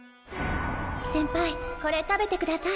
せんぱいこれ食べてください。